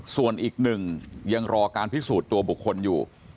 ส่วนอีกหนึ่งยังรอการพิสูจน์ตัวบุคคลอยู่